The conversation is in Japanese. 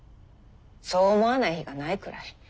そう思わない日がないくらい。